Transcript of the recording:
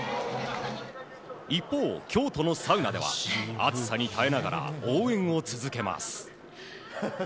一方、京都のサウナでは熱さに耐えながら応援を続けます。